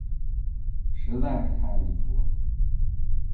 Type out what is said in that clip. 这实在是太离谱了。